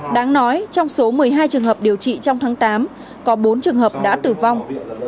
đáng nói trong số một mươi hai trường hợp điều trị trong tháng tám có bốn trường hợp đã tử vong